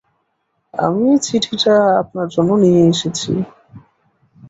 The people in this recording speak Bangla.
আমি চিঠিটা আপনার জন্যে নিয়ে এসেছি।